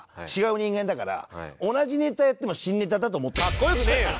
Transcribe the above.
かっこよくねえよ！